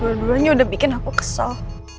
dua duanya udah bikin aku kesal